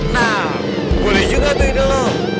nah boleh juga tuh hidup lo